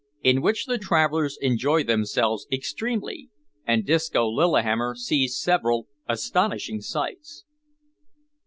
IN WHICH THE TRAVELLERS ENJOY THEMSELVES EXTREMELY, AND DISCO LILLIHAMMER SEES SEVERAL ASTONISHING SIGHTS.